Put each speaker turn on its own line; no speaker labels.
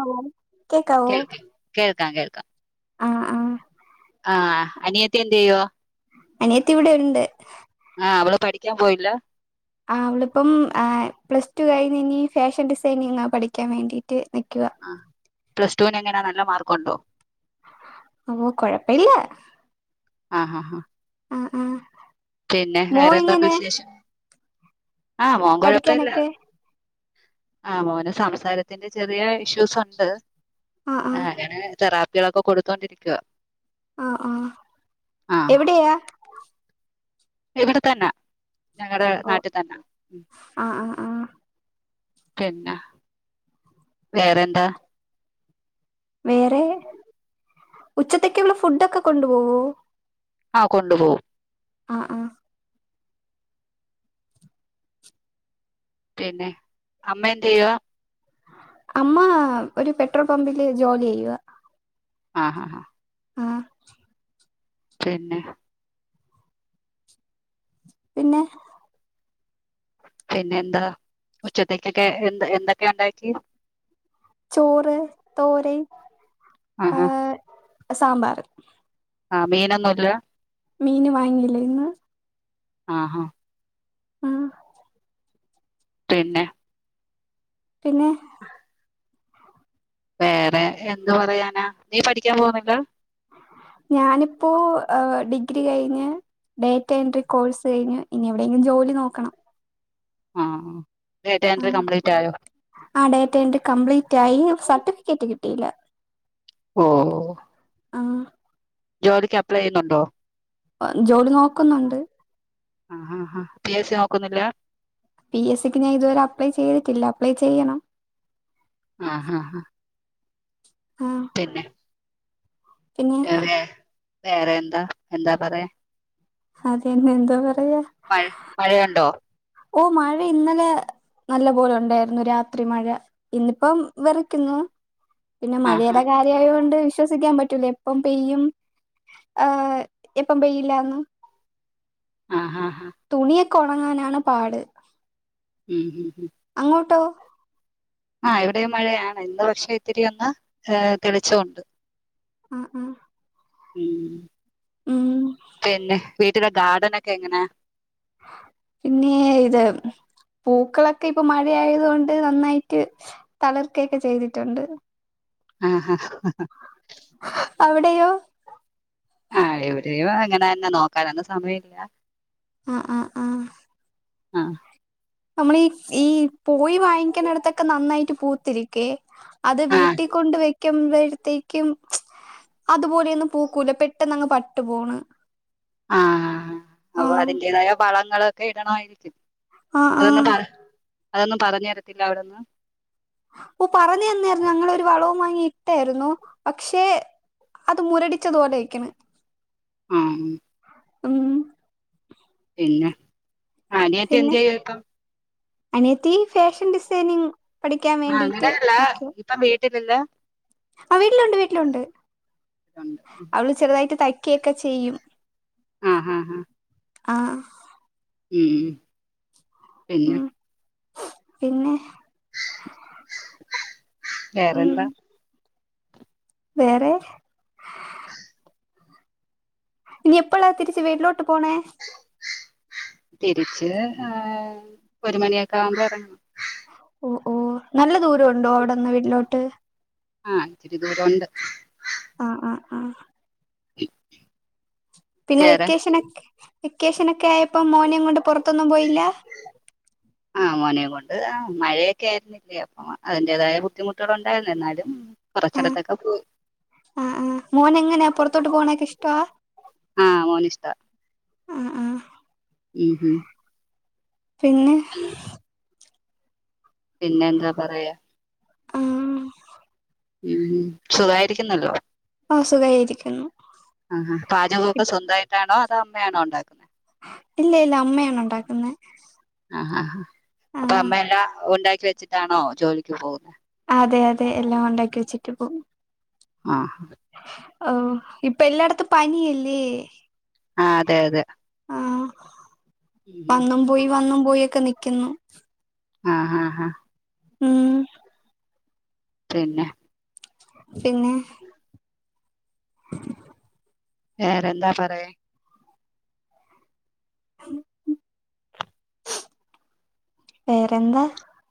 ആവോ
കേൾക് കേൾക്കാം കേൾക്കാം
ആഹ് ആഹ്
ആ അനിയത്തിയെ ഇയ്യോ
അനിയത്തി ഇവിടെ ഉണ്ട്
ആ അവള് പഠിക്കാൻ പോയില്ല
ആ അവളിപ്പം ആ പ്ലസ് ടു കഴിഞ്ഞ് ഇനി ഫാഷൻ ഡിസൈനിങ്ങ പഠിക്കാൻ വേണ്ടിയിട്ട് നിക്കുവ
ആ പ്ലസ് ടുവിന് എങ്ങനാ നല്ല മാർക്കുണ്ടോ
ഓ കൊഴപ്പില്ല
ആഹ് ആഹ്
ആഹ് ആഹ്
പിന്നെ
മോ
വേറെന്തോണ്ട്
എങ്ങനെ
വിശേഷം ആ മോൻ കൊഴപ്പല്ല
പഠിക്കാനൊക്കെ
ആ മോന് സംസാരത്തിന്റെ ചെറിയ ഇഷ്യൂസുണ്ട്
ആഹ്
ആ
ആഹ്
അങ്ങനെ തെറാപ്പി തിളൊക്കെ കൊടുത്തോണ്ടിരിക്കാ
ആ ആ
ആ
എവിടെയാ
ഇവിടെ തന്ന ഞങ്ങടെ
ഓഹ്
നാട്ടി തന്ന
ആഹ് ആഹ് ആഹ്
പിന്ന വേറെന്താ
വേറെ ഉച്ചത്തെക്കുള്ള ഫുഡൊക്കെ കൊണ്ടു പോവോ?
ആ കൊണ്ടു പോവും
ആഹ് ആഹ്
പിന്നെ അമ്മെന്ത് യ്യുവ
അമ്മാ ഒരു പെട്രോൾ പമ്പില് ജോലി ചെയ്യുവ
ആഹ് ആഹ് ആഹ്
ആഹ്
പിന്നെ
പിന്നെ
പിന്നെന്താ ഉച്ചത്തേക്കൊക്കെ എന്ത എന്തൊക്കെ ഉണ്ടാക്കി
ചോറ്, തോരൻ, ആ സാമ്പാർ.
ആ മീനൊന്നുല്ല
മീന് വാങ്ങീല ഇന്ന്
ആഹാ
ആഹ്
പിന്നെ
പിന്നെ
വേറെ എന്ത് പറയാനാ നീ പഠിക്കാൻ പോന്ന്ല്ലാ
ഞാനിപ്പോ ആ ഡിഗ്രി കഴിഞ്ഞ് ഡേറ്റ എൻട്രി കോഴ്സ് കഴിഞ്ഞ് ഇനി എവിടെയെങ്കിലും ജോലി നോക്കണം
ആ ആ ഡേറ്റാ എൻട്രി
ആഹ്
കംപ്ലീറ്റായോ?
ആ ഡേറ്റ എൻട്രി കംപ്ലീറ്റ് ആയി സർട്ടിഫിക്കറ്റ് കിട്ടിയില്ല
ഓ
ആഹ്.
ജോലിക്ക് അപ്ലൈ ചെയ്യുന്നുണ്ടോ?
അഹ് ജോലി നോക്കുന്നുണ്ട്.
ആഹ് ഹാ ഹാ. പി എസ് സി നോക്കുന്നില്ല?
പി എസ് സി ക്ക് ഞാൻ ഇതുവരെ അപ്ലൈ ചെയ്തിട്ടില്ല. അപ്ലൈ ചെയ്യണം.
ആഹ് ഹാ ഹാ.
ആഹ്.
പിന്നെ?
പിന്നെ
വേറെ? വേറെയെന്താ? എന്താ പറേ?
അതന്നെ, എന്താ പറയാ?
മഴ മഴയുണ്ടോ?
ഓഹ് മഴ ഇന്നലെ നല്ല പോലെ ഉണ്ടായിരുന്നു രാത്രി മഴ. ഇന്നിപ്പം വെറക്കുന്നു. പിന്നെ
ആ ഹാ
മഴേടെ കാര്യായോണ്ട് വിശ്വസിക്കാൻ പറ്റൂലേ. എപ്പം പെയ്യും ഈഹ് എപ്പം പെയ്യില്ലാന്ന്.
ആഹ് ഹാ ഹാ.
തുണിയൊക്കെ ഒണങ്ങാനാണ് പാട്.
ഊ ഹ്മ്മ് ഹ്മ്മ്.
അങ്ങോട്ടോ?
ആഹ് ഇവിടെയും മഴയാണ്. ഇന്ന് പക്ഷേ ഇത്തിരി ഒന്ന് ഈഹ് തെളിച്ചൊണ്ട്.
ആഹ് അഹ്.
ഉം. പിന്നെ, വീട്ടിലെ ഗാർഡനൊക്കെ എങ്ങനെ?
പിന്നേ ഇത് പൂക്കളൊക്കെ ഇപ്പൊ മഴയായത് കൊണ്ട് നന്നായിട്ട് തളിർക്കയെക്കെ ചെയ്തിട്ടുണ്ട്.
ആഹ് ഹാ.
അവിടെയോ?
ആഹ് ഇവിടെയും അങ്ങനെന്നെ. നോക്കാനൊന്നും സമയില്ല.
അഹ് അഹ് ആഹ്.
ആഹ്.
നമ്മളീ ഈ പോയി വാങ്ങിക്കണടത്തൊക്കെ നന്നായിട്ട് പൂത്തിരിക്ക്വേ. അത്
ആ
വീട്ടീക്കൊണ്ട് വെ ക്കുമ്പഴത്തേക്കും അതുപോലെയൊന്നും പൂക്കൂല പെട്ടെന്ന് അങ്ങ് പട്ട് പോണ്.
ആഹ്. അപ്പൊ
ആഹ്
അതിന്റേതായ വളങ്ങളൊക്കെ ഇടണവായിരിക്കും.
ആഹ്
അതൊന്നും
ആഹ്
പറ, അതൊന്നും പറഞ്ഞരത്തില്ലെ അവിടന്ന്?
ഓഹ് പറഞ്ഞെന്നായിരുന്നു, ഞങ്ങളൊരു വളവും വാങ്ങി ഇട്ടായിരുന്നു. പക്ഷെ അത് മുരടിച്ചത്പോലെ നിക്കണ്.
ഉം.
ഉം.
പിന്നെ. അനിയത്തി
പിന്നെ
എന്തെയുവ്വാ ഇപ്പം?
അനിയത്തി ഫേഷൻ ഡിസൈനിങ് പഠിക്കാൻ
ആഹ്
വേണ്ടീട്ട്
അങ്ങനെയല്ല
നിക്കാ.
ഇപ്പം വീട്ടിലില്ല?
ആഹ് വീട്ടിലുണ്ട് വീട്ടിലുണ്ട്. അവള് ചെറ്തായിട്ട് തയ്ക്കൊക്കെ ചെയ്യും.
ആഹ് ഹാ ഹാ.
ആഹ്.
ഉം പിന്നെ?
ഉം പിന്നെ? ഉം
വേറെന്താ?
വേറെ? ഇനി എപ്പളാ തിരിച്ച് വീട്ടിലോട്ട് പോണേ?
തിരിച്ച് ആ ഒരു മണിയക്കെ ആവുമ്പ എറങ്ങും
ഓ ഓ നല്ല ദൂര ഉണ്ടോ അവടെന്ന് വീട്ടിലോട്ട്
ആ ഇത്തിരി ദൂരണ്ട്
ആ ആ ആഹ് പിന്നെ
വേറെ
വെക്കേഷന വെക്കേഷനെക്കെ ആയപ്പം മോനേം കൊണ്ട് പൊർത്തൊന്നും പോയില്ല
ആ മോനെയും കൊണ്ട് ആ മഴയൊക്കെ ആയിരുന്നു അല്ലെ അപ്പ അതിന്റേതായ ബുദ്ധിമുട്ടുകള് ഉണ്ടായിരുന്നു എന്നാലും
ആ
കുറച്ചിടത്തൊക്കെ പോയി
ആ ആ മോന എങ്ങനെയാ പൊർത്തോട്ട് പോണെക്കെ ഇഷ്ടവാ
ആ മോന് ഇഷ്ട്ടാ
ആ ആഹ്
ഉം ഉം.
പിന്നെ
പിന്നെ എന്താ പറയാ
ആഹ്
ഉം സുഖായിരിക്കുന്നല്ലോ
ഓ സുഗായിരിക്കുന്നു
ആ ഹാ പാചകക്കെ സ്വന്തായിട്ടാണോ അതോ അമ്മയാണോ ഉണ്ടാക്കുന്ന
ഇല്ല ഇല്ല അമ്മയാണ് ഉണ്ടാക്കുന്നെ
ആ ഹാ
ആ
അപ്പൊ അമ്മ എല്ലാ ഉണ്ടാക്കി വെച്ചി ട്ടാണോ ജോലിക്ക് പോവുന്നെ
അതെ അതെ എല്ലാം ഉണ്ടാക്കി വെച്ചിട്ട് പോവും
ആഹ്
ഓ ഇപ്പ എല്ലാടത്തും പനിയല്ലേ
ആ അതെ അതെ
ആഹ് വന്നും പോയി വന്നും പോയി ഒക്കെ നിക്കുന്നു
ആ ഹാ ഹ
ഉം
പിന്നെ
പിന്നെ
വേറെന്താ പറയാ
വേറെന്താ